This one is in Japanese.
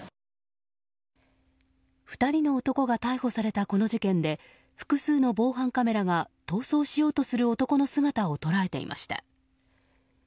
２人の男が逮捕されたこの事件で複数の防犯カメラが逃走しようとする男の姿を捉えていました。